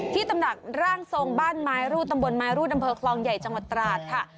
ตำหนักร่างทรงบ้านไม้รูดตำบลไม้รูดอำเภอคลองใหญ่จังหวัดตราดค่ะ